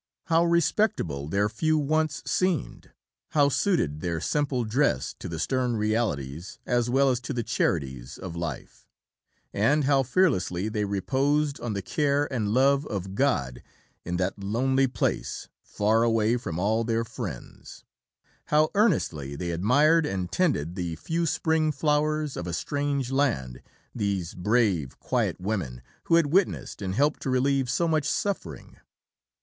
How respectable their few wants seemed; how suited their simple dress to the stern realities, as well as to the charities of life, and how fearlessly they reposed on the care and love of God in that lonely place, far away from all their friends; how earnestly they admired and tended the few spring flowers of a strange land, these brave, quiet women, who had witnessed and helped to relieve so much suffering!